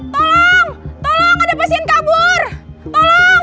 tolong tolong ada pasien kabur tolong